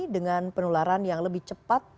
dengan penularan yang lebih cepat